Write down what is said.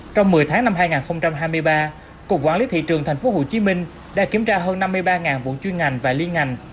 trong một mươi tháng năm hai nghìn hai mươi ba cục quản lý thị trường thành phố hồ chí minh đã kiểm tra hơn năm mươi ba vụ chuyên ngành và liên ngành